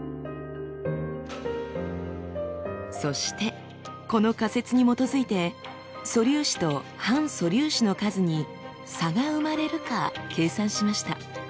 そしてこの仮説に基づいて素粒子と反素粒子の数に差が生まれるか計算しました。